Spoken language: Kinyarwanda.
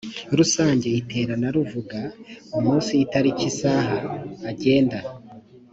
rusange iterana ruvuga umunsi itariki isaha agenda